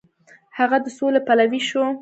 هغه د سولې پلوی و.